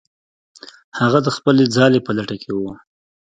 هغه د خپلې ځالې په لټه کې و.